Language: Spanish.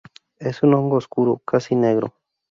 Es un hongo oscuro, casi negro.